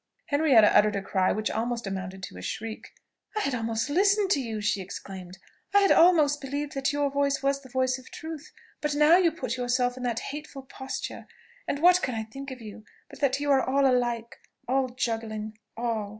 Henrietta uttered a cry which almost amounted to a shriek. "I had almost listened to you!" she exclaimed, "I had almost believed that your voice was the voice of truth; but now you put yourself in that hateful posture, and what can I think of you, but that you are all alike all juggling all!